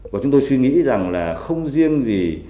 và chúng tôi suy nghĩ rằng là không riêng gì